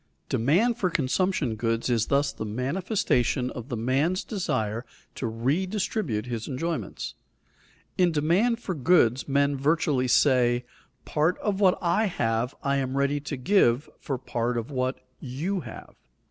Demand for consumption goods is thus the manifestation of the man's desire to redistribute his enjoyments. In demand for goods men virtually say: "Part of what I have I am ready to give for part of what you have."